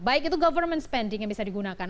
baik itu pengembangan pemerintah yang bisa digunakan